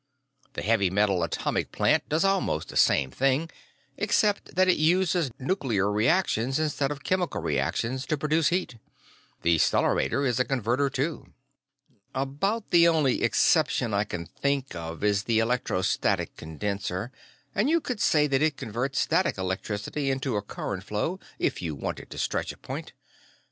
The heavy metal atomic plant does almost the same thing, except that it uses nuclear reactions instead of chemical reactions to produce the heat. The stellarator is a converter, too. "About the only exception I can think of is the electrostatic condenser, and you could say that it converts static electricity into a current flow if you wanted to stretch a point.